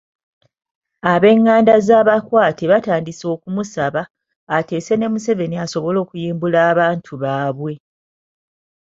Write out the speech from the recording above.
Ab'enganda z'abakwate batandise okumusaba ateese ne Museveni asobole okuyimbula abantu baabwe.